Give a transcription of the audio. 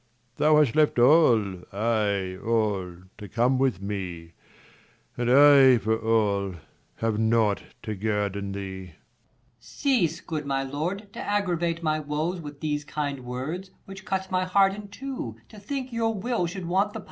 10 Thou hast left all, ay, all to come with me, And I, for all, have nought to guerdon thee. Per. Cease, good my lord, to aggravate my woes With these kind words, which cuts my heart in two, To think your will should want the power to do.